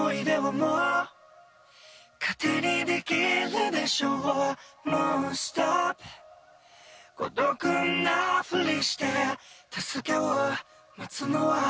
「もうｓｔｏｐ」「孤独なふりして」「助けを待つのは」